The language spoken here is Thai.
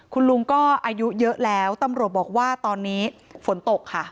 คุณลุงก็อายุเยอะแล้วตำรวจบอกว่าตอนนี้ฝนตกค่ะ